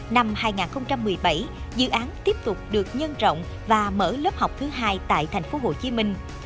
năm hai nghìn một mươi bảy dự án tiếp tục được nhân rộng và mở lớp học thứ hai tại thành phố hồ chí minh